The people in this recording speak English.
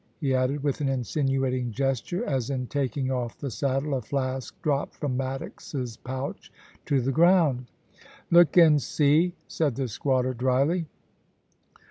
he added, with an insinuating gesture, as in taking off the saddle a flask dropped from Maddox's pouch to the ground * Look and see,* said the squatter, drily.